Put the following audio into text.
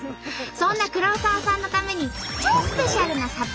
そんな黒沢さんのために超スペシャルな何かもう。